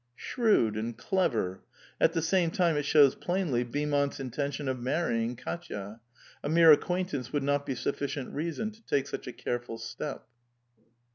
Shrewd and clever! At the same time it shows plainly Beaumont's intention of maiTving Kdtya; a mere acquain tance would not be sufficient reason to take such a careful step.